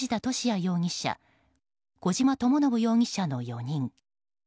容疑者小島智信容疑者の４人。